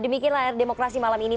demikian layar demokrasi malam ini